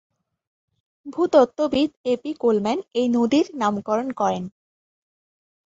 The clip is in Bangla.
ভূতত্ত্ববিদ এ পি কোলম্যান এই নদীর নামকরণ করেন।